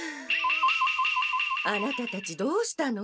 アナタたちどうしたの？